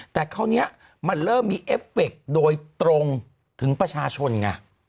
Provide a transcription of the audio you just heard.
แต่คราวนี้มันเริ่มมีเอฟเฟคโดยตรงถึงประชาชนไง